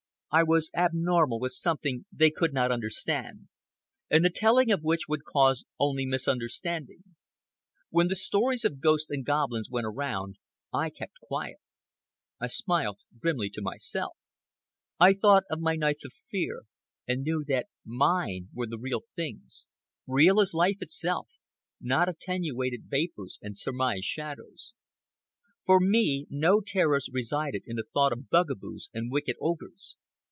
I was abnormal with something they could not understand, and the telling of which would cause only misunderstanding. When the stories of ghosts and goblins went around, I kept quiet. I smiled grimly to myself. I thought of my nights of fear, and knew that mine were the real things—real as life itself, not attenuated vapors and surmised shadows. For me no terrors resided in the thought of bugaboos and wicked ogres.